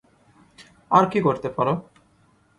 আর কী করতে পারো?